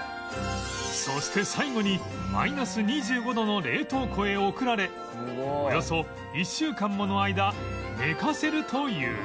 そして最後にマイナス２５度の冷凍庫へ送られおよそ１週間もの間寝かせるという